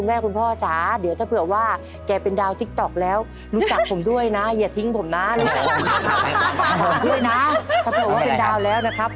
อาทิตย์ช่วยเป็นเดาแล้วนะครับ